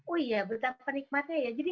oh iya betapa penikmatnya ya jadi